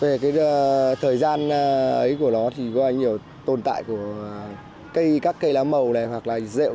và cái thời gian ấy của nó thì có bao nhiêu tồn tại của các cây lá màu này hoặc là dẹo